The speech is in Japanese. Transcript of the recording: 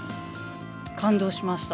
感動しました。